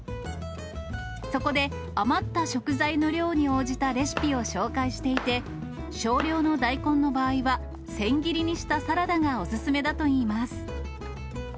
そこで、余った食材の量に応じたレシピを紹介していて、少量の大根の場合は、千切りにしたサラダがお勧めだといいます。